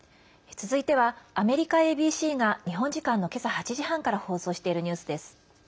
続いては、アメリカＡＢＣが日本時間の今朝８時半から放送しているニュースです。